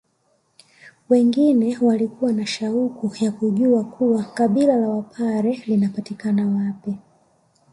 Wengine wakiwa na shauku ya kujua kuwa kabila la wapare linapatikana wapi